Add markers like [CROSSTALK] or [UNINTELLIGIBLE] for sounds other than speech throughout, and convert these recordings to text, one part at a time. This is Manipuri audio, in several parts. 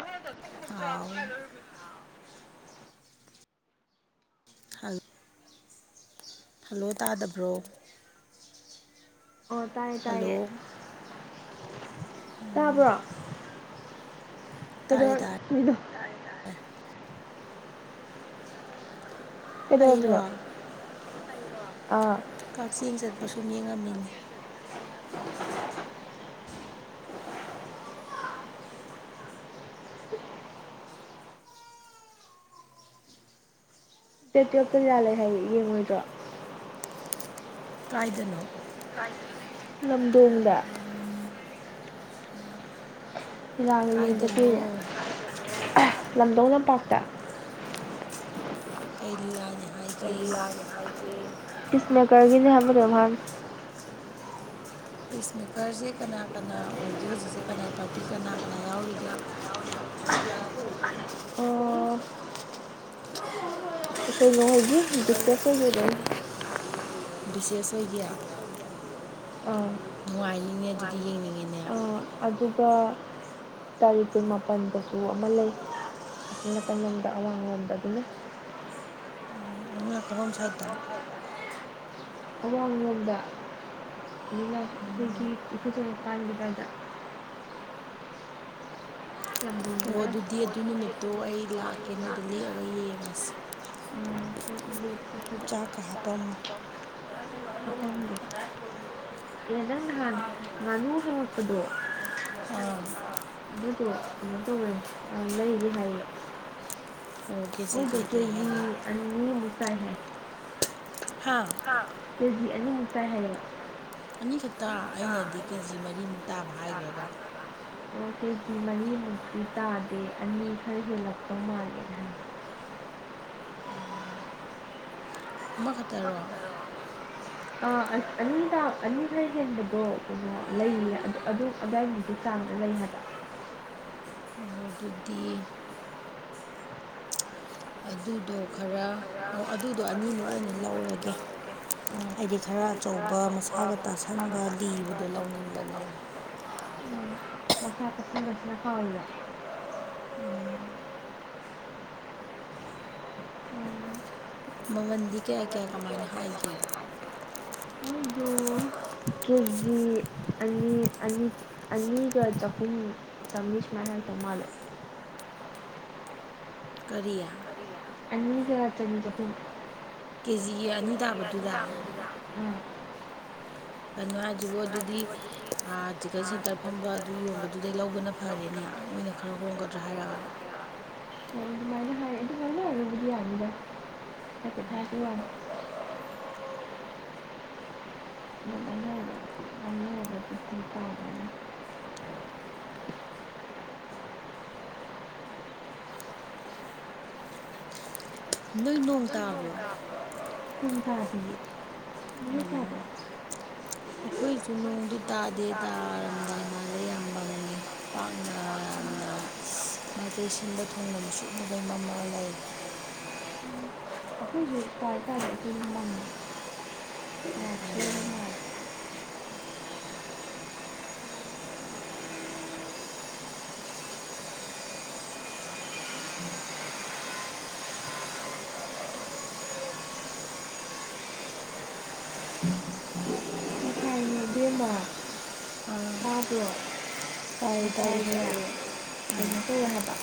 ꯍ ꯆ ꯐꯂ ꯍꯜꯂꯣ ꯇꯥꯗꯕ꯭ꯔꯣ ꯑꯣ ꯇꯥꯏꯌꯦ ꯇꯥꯏꯌꯦ ꯇꯥꯕ꯭ꯔꯣ ꯀꯗꯣ ꯃꯤꯗ ꯑꯔꯣ ꯀꯛꯆꯦꯡ ꯆꯠꯄ ꯁꯨꯝ ꯌꯦꯡꯉꯝꯃꯤꯅꯤ ꯦ ꯇꯌ ꯀ ꯌꯥꯜꯂꯦ ꯍꯥꯏ ꯌꯦꯡꯉꯣꯏꯗ꯭ꯔꯣ ꯀꯥꯏꯗꯅꯣ ꯂꯝꯗꯣꯡꯗ ꯏꯂꯥꯅ ꯌꯦꯡꯕꯗꯤ ꯂꯝꯗꯧ ꯂꯝꯄꯥꯛꯇ ꯀꯩ ꯂꯤ ꯀꯤꯁꯅ ꯀꯔꯒꯅꯦꯍꯃ ꯔꯦꯚꯥꯟ ꯄꯤꯁ ꯃꯦꯀꯔꯁꯦ ꯀꯅꯥ ꯀꯅꯥ ꯑꯣꯏꯒꯦ ꯍꯧꯖꯤꯛꯁꯦ ꯀꯅꯥꯒꯤ ꯄꯥꯔꯇꯤ ꯀꯅꯥ ꯀꯅꯥ ꯌꯥꯎꯔꯤꯒꯦ ꯌꯥ ꯑꯩꯈꯣꯏꯅꯣꯡꯉꯣꯏꯒꯤ ꯗꯤꯁꯀꯁ ꯑꯣꯏꯒꯗꯅꯤ ꯕꯤꯁꯦꯁ ꯑꯣꯏꯒ ꯅꯨꯡꯉꯥꯏꯅꯤꯡꯉ ꯑꯗꯨꯗꯤ ꯌꯦꯡꯅꯤꯡꯉ ꯑꯗꯨꯒ ꯇꯥꯔꯤꯛ ꯀꯨꯟꯃꯄꯜꯗꯁꯨ ꯑꯃ ꯂꯩ ꯇꯥꯏꯗ ꯋꯥꯋꯥꯡ ꯋꯥꯗ ꯑꯗꯨꯅ ꯃ ꯀꯔꯝ ꯁꯥꯏꯗ ꯃꯃꯥꯡ ꯌꯗ ꯏ ꯏ ꯆꯦꯄꯗꯗ ꯎ ꯑꯣ ꯑꯗꯨꯗꯤ ꯑꯗꯨ ꯅꯨꯃꯤꯠꯇꯣ ꯑꯩ ꯂꯥꯛꯀꯦ ꯅꯣꯏꯗ ꯂꯦꯛꯑꯒ ꯌꯦꯡꯉꯁꯤ ꯆꯥꯛꯀ ꯍꯥꯞꯄꯝꯃꯨ ꯏ ꯏ ꯉ ꯉꯅꯁꯨ ꯃꯄ ꯣ ꯑꯥ ꯀꯩꯅꯣ ꯇꯧꯕꯂꯦꯝ ꯑꯗꯨ ꯂꯩꯗꯤ ꯍꯥꯏ ꯎ ꯇꯦ ꯑ ꯃꯨꯁꯥꯏꯂ ꯀꯦꯖꯤ ꯑꯅꯤꯃꯨꯛꯇ ꯍꯥꯏꯌꯦ ꯑꯅꯤꯈꯛꯇ ꯑꯩꯅꯗꯤ ꯀꯦꯖꯤ ꯃꯔꯤꯃꯨꯛ ꯇꯥꯕ ꯍꯥꯏꯈ꯭ꯔꯒ ꯑꯣ ꯀꯦꯖꯤ ꯃꯔꯤꯃꯨꯛꯇꯤ ꯇꯥꯗꯦ ꯑꯅꯤ ꯈꯔ ꯍꯦꯜꯂꯛꯄ ꯃꯥꯜꯂꯦ ꯍꯥꯏ [INAUDIBLE] ꯀꯝꯕ ꯈꯛꯇꯔꯣ ꯑ ꯑ ꯑꯅꯤꯗ ꯑꯅꯤ ꯈꯔ ꯍꯦꯟꯕꯗꯣ ꯀꯩꯅꯣ ꯂꯩꯌꯦ ꯑꯗꯨ ꯑꯗꯨꯋꯥꯏꯒꯤꯗꯤ ꯆꯥ ꯂꯩꯉꯗ ꯃ ꯑꯗꯨꯗꯤ ꯑꯗꯨꯗꯣ ꯈꯔ ꯑꯗꯨꯗꯣ ꯑꯅꯤꯃꯨꯛ ꯑꯣꯏꯅ ꯂꯧꯔꯒꯦ ꯍꯥꯏꯗꯤ ꯈꯔ ꯑꯆꯧꯕ ꯃꯁꯥꯒ ꯇꯥꯁꯟꯕ ꯂꯤꯕꯗꯣ ꯂꯧꯅꯤꯡꯕꯅꯤ ꯁꯗꯁꯅ ꯐꯥꯎꯂ ꯃꯃꯜꯗꯤ ꯀꯌꯥ ꯀꯌꯥ ꯀꯃꯥꯏꯅ ꯍꯥꯏꯒꯦ ꯀꯦꯖꯤ ꯑꯅꯤ ꯑꯅꯤ ꯑꯅꯤꯒ ꯆꯈꯨꯝ ꯆꯁ ꯃ ꯍꯥꯏꯜ ꯇꯃꯥꯜ ꯀꯔꯤꯌꯥ ꯎ ꯀ ꯆ ꯑꯅꯅꯨꯡꯍꯗꯨꯕ ꯑꯗꯨꯗꯤ ꯆꯤꯀꯟ ꯁꯦꯟꯇꯔ ꯐꯝꯕ ꯑꯗꯨ ꯌꯣꯟꯕꯗꯨꯗꯩ ꯂꯧꯕꯅ ꯐꯔꯦꯅꯦ ꯃꯣꯏꯅ ꯈꯔ ꯍꯣꯡꯒꯗ ꯌꯥꯦꯒ ꯃꯥꯏꯅ ꯍꯥꯏ ꯏꯃꯥꯏꯅꯣ ꯏꯗꯤ ꯍꯥꯏꯗ ꯀ ꯊ ꯑꯣꯏ ꯊ ꯇꯅꯤ ꯅꯣꯏ ꯅꯣꯡ ꯇꯥꯕ꯭ꯔꯣ ꯍ ꯌꯦ ꯀꯗ ꯑꯩꯈꯣꯏꯁꯨ ꯅꯣꯡꯗꯤ ꯇꯥꯗꯦ ꯇꯥꯔꯝꯗꯥꯏ ꯃꯥꯜꯂꯦ ꯌꯥꯝ ꯃꯪꯉꯦ ꯄꯥꯛꯅ ꯌꯥꯝꯅ ꯃꯥꯏꯀꯩ ꯁꯤꯟꯕ ꯊꯨꯡꯅ ꯃꯨꯁꯨꯛ ꯃꯨꯒꯩ ꯃꯝꯃꯒ ꯂꯩ ꯑꯩꯈꯣꯏ ꯇꯥꯏꯇ ꯑꯗꯨ ꯍꯃꯥ ꯐꯥꯏꯕ ꯑꯗꯨꯩꯅ ꯇꯧꯕ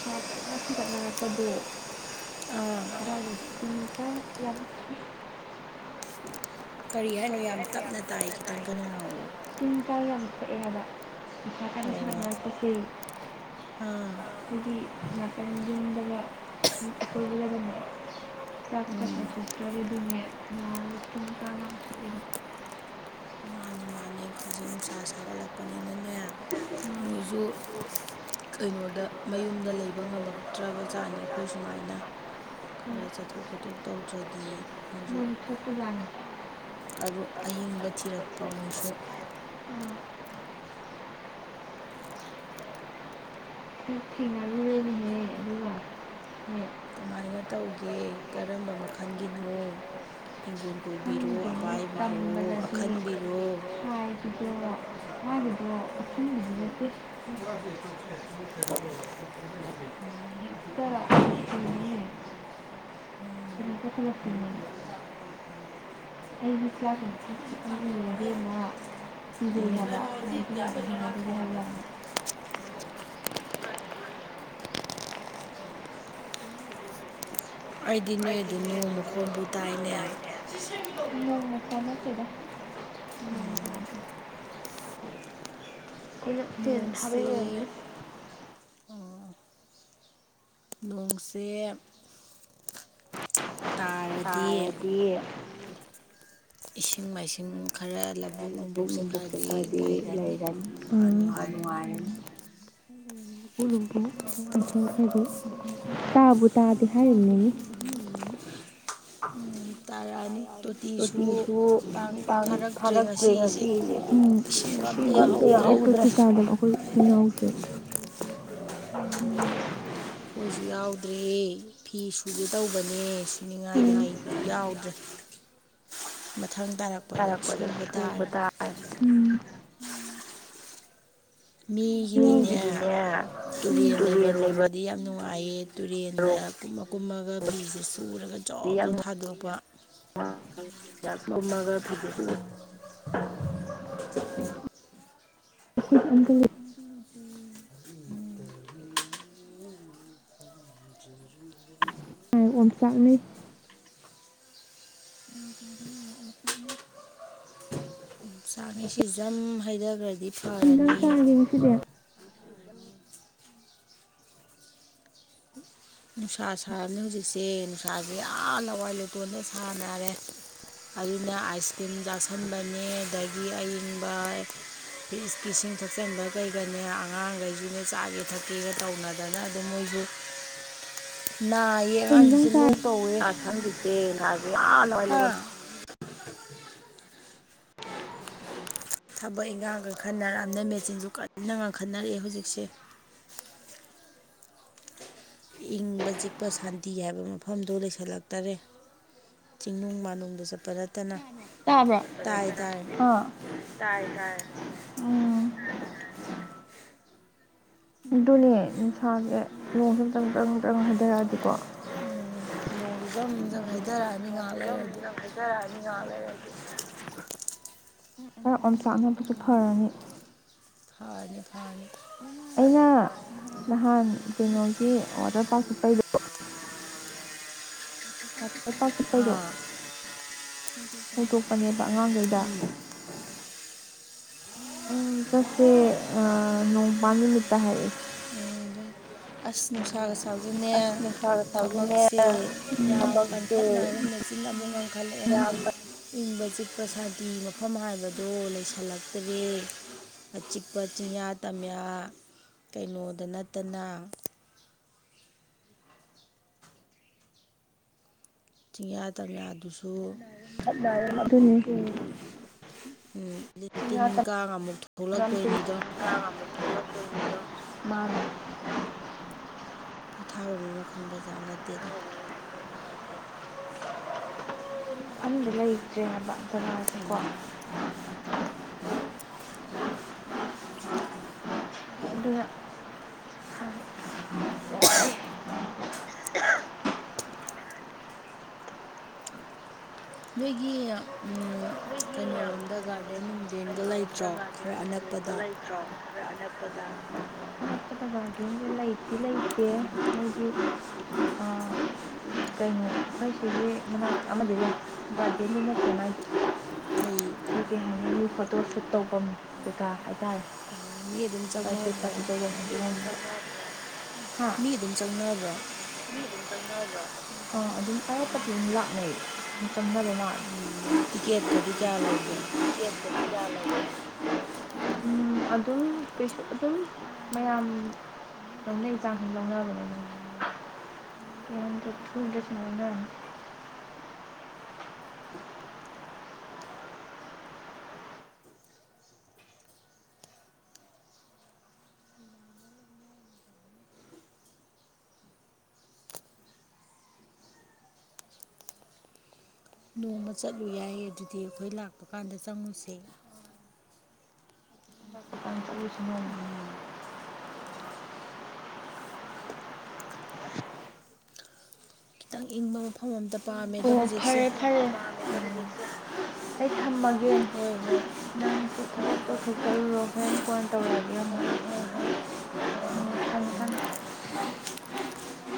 ꯄꯣꯠꯀꯥꯁ ꯄꯗꯣ [INAUDIBLE] ꯀꯔꯤ ꯍꯥꯏꯅꯣ ꯌꯥꯝ ꯇꯞꯅ ꯇꯥꯏ ꯈꯤꯇꯪ ꯀꯩꯅ ꯉꯥꯛꯑꯣ ꯇꯨꯡ ꯇꯥ ꯌꯥꯝ ꯊꯣꯛꯑꯦ ꯍꯥꯏꯕ ꯁꯥ ꯀꯅ ꯁꯂꯛꯅꯔꯛꯄꯁꯦ ꯑꯥ ꯏꯒꯤ ꯃꯟꯖꯗꯗ ꯀꯂꯗꯅꯤ ꯌꯥꯥꯛ ꯀꯁ ꯆ ꯇꯔꯤ ꯅꯌꯥ ꯀꯥ ꯂ ꯆ ꯦꯛꯈꯖꯤ ꯅꯨꯡꯁꯥ ꯁꯥꯒꯠꯂꯛꯄꯅꯤꯅꯅꯦ ꯃꯣꯏꯁꯨ ꯀꯩꯅꯣꯗ ꯃꯌꯨꯝꯗ ꯂꯩꯕ ꯉꯝꯃꯛꯇ꯭ꯔꯕ ꯖꯥꯠꯅꯤ ꯑꯩꯈꯣꯏ ꯁꯨꯃꯥꯏꯅ ꯈꯔ ꯆꯠꯊꯣꯛ ꯈꯣꯊꯣꯛ ꯇꯧꯗ꯭ꯔꯗꯤ ꯃꯟꯁꯤꯄ ꯂꯅꯤ ꯑꯏꯤꯡꯕ ꯊꯤꯔꯛꯄ ꯃꯣꯏꯁꯨ ꯊꯦꯡꯅ ꯂ ꯂꯩꯅꯦꯍꯌꯦ ꯑꯗꯨꯒ ꯀꯨꯃꯥꯏꯅ ꯇꯧꯒꯦ ꯀꯔꯝꯕ ꯃꯈꯜꯒꯤꯅꯣ ꯍꯤꯡꯒꯣꯜ ꯀꯣꯏꯕꯤꯔꯣ ꯇꯝꯕꯂꯗꯤ ꯍꯥꯏꯗ ꯃꯥꯗ ꯑꯩꯁ ꯏꯛꯇꯔꯥꯛꯅꯤ ꯏꯅ ꯐ ꯑꯩꯒꯤ ꯀ꯭ꯂꯒ ꯆꯤꯛ ꯌꯦꯦꯃ ꯌꯥ ꯑꯩꯗꯤ ꯅꯣꯏ ꯑꯗꯨ ꯅꯣꯡ ꯃꯈꯣꯟꯕꯨ ꯇꯥꯏꯅꯦ ꯎꯝ ꯑꯩꯈꯣꯏꯅ ꯐꯅ ꯊꯕꯩ ꯑꯣꯅ ꯅꯣꯡꯁꯦ ꯇꯗꯤꯌꯦꯦ ꯏꯁꯤꯡ ꯃꯥꯏꯁꯤꯡ ꯈꯔ ꯂꯧꯕꯨꯛ ꯂꯕꯨꯛ ꯆꯠꯄꯗꯤ ꯂꯩꯔꯅꯤ ꯈꯔ ꯅꯨꯡꯉꯥꯏꯔꯅꯤ ꯀ ꯂꯩꯅꯤ ꯎꯂꯨꯒ ꯏꯁꯤꯡ ꯏꯥꯏꯁꯤꯡ ꯈꯗꯤ ꯇꯥꯕꯨ ꯇꯥꯗꯦ ꯍꯥꯏꯔꯝꯅꯤꯅꯤ [UNINTELLIGIBLE] ꯔꯣꯇꯤꯁꯨ ꯇꯥꯡ ꯊꯥꯔꯛꯇ꯭ꯔꯦ ꯉꯁꯤꯁꯦ ꯈꯣꯏ ꯀꯥꯗꯕ ꯑꯣꯈꯣꯏ ꯁꯤꯂꯣꯡꯁꯦ ꯐꯤꯁꯨ ꯌꯥꯎꯗ꯭ꯔꯦ ꯐꯤ ꯁꯨꯒꯦ ꯇꯧꯕꯅꯦ ꯁꯨꯅꯤꯡꯉꯥꯏꯒ ꯂꯩ ꯌꯥꯎꯗ꯭ꯔꯦ [UNINTELLIGIBLE] ꯑꯣꯏ ꯁꯥꯏ ꯃꯤꯒꯤꯗꯤꯅꯦ ꯇꯨꯔꯦꯟ ꯂꯩꯕꯔꯣꯝꯒꯗꯤ ꯌꯥꯝ ꯅꯨꯡꯉꯥꯏꯌꯦ ꯇꯨꯔꯦꯟꯗ ꯀꯨꯝꯃ ꯀꯨꯝꯃꯒ ꯐꯤꯁꯤ ꯄꯨꯔꯒ ꯖꯞ ꯖꯞ ꯊꯥꯗꯣꯛꯄ ꯃ ꯃꯅꯥꯒꯥꯏ ꯐꯖꯁꯨ [UNINTELLIGIBLE] ꯃꯥꯏ ꯑꯣꯝꯆꯥꯛꯅꯩ ꯑꯥꯅꯤꯁꯤ ꯖꯝ ꯍꯩꯊꯈ꯭ꯔꯗꯤ ꯆꯤꯟꯗ ꯆꯥꯔꯒꯤ ꯅꯨꯡꯁꯤꯗꯦ ꯅꯨꯡꯁꯥ ꯁꯥꯔꯕꯝꯅꯤ ꯍꯧꯖꯤꯛꯁꯦ ꯅꯨꯡꯁꯥꯁꯦ ꯌꯥꯝ ꯂꯋꯥꯏ ꯂꯨꯇꯣꯟꯗ ꯁꯥꯟꯅꯔꯦ ꯑꯩꯅ ꯑꯥꯏꯁ ꯀ꯭ꯔꯤꯝ ꯆꯥꯥꯁꯟꯕꯅꯤ ꯑꯗꯒꯤ ꯑꯌꯪꯕ ꯏꯁꯤꯡ ꯊꯛꯆꯟꯕ ꯀꯩꯒꯅꯦ ꯑꯉꯥꯡꯈꯩꯁꯨꯅꯦ ꯆꯥꯒꯦ ꯊꯛꯀꯦꯒ ꯇꯧꯅꯗꯅ ꯑꯗꯨꯝ ꯃꯣꯏ ꯎꯝ ꯉ ꯁꯪꯗꯁꯦ ꯉꯥꯁꯦ ꯌꯥꯝ ꯂꯋꯥꯏ ꯂꯩ [UNINTELLIGIBLE] ꯊꯕꯛ ꯏꯟꯈꯥꯡꯒꯟꯈꯠꯅꯔꯛꯑꯝꯅꯤ ꯃꯦꯆꯤꯟꯁꯨ ꯀꯟꯅ ꯉꯟꯈꯠꯅꯔꯛꯑꯦ ꯍꯧꯖꯤꯛꯁꯦ ꯏꯪꯕ ꯆꯤꯛꯄ ꯁꯥꯟꯇꯤ ꯍꯥꯏꯕ ꯃꯐꯝꯗꯨꯣ ꯂꯩꯁꯤꯜꯂꯛꯇꯔꯦ ꯆꯤꯡꯅꯨꯡ ꯃꯥꯅꯨꯡꯗ ꯆꯠꯄꯔ ꯇꯥꯕ ꯎꯝ ꯑꯗꯨꯅꯦ ꯅꯨꯡꯁꯥꯁꯦ ꯅꯣꯡꯁ ꯆꯪꯗ꯭ꯔꯥ ꯉꯪꯗ꯭ꯔꯥꯒ ꯍꯥꯏꯊꯔꯛꯑꯗꯤꯀꯣ ꯎꯝ ꯅꯣꯡꯒꯤꯐꯝꯝꯝ ꯍꯩꯊꯔꯛꯑꯅꯤ ꯉꯥꯏꯍꯥꯛ ꯂꯩꯔꯗꯤ ꯌꯥ ꯐꯦ ꯐꯅꯤ ꯑꯩꯅ ꯅꯍꯥꯟ ꯀꯩꯅꯣꯒꯤ ꯋꯥꯇꯔ ꯄꯥꯔꯛꯁꯦ ꯄꯩꯗꯣ ꯋꯥꯇꯔ ꯄꯥꯔꯁꯨꯄꯩꯗꯣ ꯄꯨꯨꯗꯣꯛꯄꯅꯦꯕ ꯑꯉꯥꯡꯈꯩꯗ ꯎꯝ ꯆꯠꯁꯦ ꯅꯣꯡꯕꯥꯜ ꯅꯨꯃꯤꯠꯇ ꯍꯥꯏꯔꯛꯏꯦ ꯎ ꯑꯁꯅꯨ ꯁꯥꯒꯁ ꯑꯗꯨꯅꯦ ꯊꯕꯛꯁꯦ ꯌꯥꯝ ꯀꯟꯈꯠꯅꯔꯕ ꯃꯦꯆꯤꯟ ꯑꯃꯨꯛ ꯉꯟꯈꯠꯂꯛꯑꯦ ꯑ ꯏꯪꯕ ꯆꯤꯛꯄ ꯁꯥꯟꯇꯤ ꯃꯐꯝ ꯍꯥꯏꯕꯗꯣ ꯂꯩꯁꯜꯂꯛꯇ꯭ꯔꯦ ꯑꯆꯤꯛꯄ ꯆꯤꯡꯌꯥ ꯇꯝꯌꯥ ꯀꯩꯅꯣꯗ ꯅꯠꯇꯅ ꯆꯤꯡꯌꯥ ꯇꯝꯌꯥꯗꯨꯁꯨ ꯅꯤ ꯎ ꯇꯤꯟ ꯀꯥꯡ ꯑꯃꯨꯛ ꯊꯣꯛꯂꯛꯇꯣꯏꯅꯤꯗꯣ ꯃꯥ ꯄꯣꯊꯥꯐꯝ ꯑꯃ ꯑꯃ ꯈꯪꯕ ꯆꯥꯅꯗꯦꯗ ꯑ ꯂꯩꯇ꯭ꯔꯦ ꯍꯥꯏꯕ ꯖꯒꯥꯁꯦꯀꯣ ꯑꯗꯨ ꯅꯣꯏꯒꯤ ꯀꯩꯅꯣꯣꯔꯣꯝꯗ ꯒꯥꯔꯗꯦꯟ ꯅꯨꯡꯗꯦꯟꯒ ꯂꯩꯇ꯭ꯔꯣ ꯈꯔ ꯑꯅꯛꯄ ꯂꯄꯗ [UNINTELLIGIBLE] ꯏꯂꯩꯇꯦ ꯃꯣꯏꯒꯤ ꯀꯩꯅꯣ ꯑꯩꯈꯣꯏ ꯁꯤꯒꯤ ꯃꯅꯥ ꯑꯃ ꯕꯥꯔꯗꯦ ꯃꯤꯅ ꯆꯉꯥꯏ ꯀꯩ ꯍꯥꯏꯅꯤꯒꯤ ꯐꯣꯇꯣ ꯁꯨꯠ ꯇꯧꯕꯐꯝꯗꯨꯒ ꯍꯥꯏꯇꯥꯔꯦ ꯕꯤꯦ ꯄꯥꯇꯤꯗ ꯍꯥ ꯑꯣ ꯑꯗꯨ ꯑꯗꯨꯝ ꯂꯥꯛꯅꯩ ꯆꯪꯅꯔꯦ ꯃꯥ ꯇꯤꯛꯀꯦꯠꯀꯗꯤ ꯀꯌꯥ ꯂꯧꯒꯦ ꯎꯝ ꯑꯗꯨꯝ ꯀꯩꯁꯨ ꯑꯗꯨꯝ ꯃꯌꯥꯝ ꯃꯖ ꯍꯨꯝꯂ ꯑꯗꯨ ꯅ ꯍ ꯇꯊ ꯏꯗꯤ ꯁꯅꯥꯅ ꯎ ꯅꯣꯡꯃ ꯆꯠꯂꯨ ꯌꯥꯏ ꯑꯗꯨꯗꯤ ꯑꯩꯈꯣꯏ ꯂꯥꯛꯄ ꯀꯥꯟꯗ ꯆꯪꯉꯨꯁꯦ ꯖꯅꯜ ꯈꯤꯇꯪ ꯏꯪꯕ ꯃꯐꯝ ꯑꯝꯇ ꯄꯥꯝꯃꯦ ꯑꯗꯣ ꯍꯧꯖꯤꯛꯁꯦ ꯍꯣꯏ ꯍꯣꯏ ꯇꯣ ꯊꯀ ꯔꯣ ꯍꯦꯟ ꯄꯦꯟ ꯇꯧꯔꯕꯤ ꯌꯥꯝ ꯈ [UNINTELLIGIBLE]